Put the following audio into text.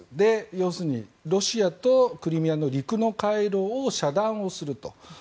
要するにロシアとクリミアの陸の回廊を遮断すると。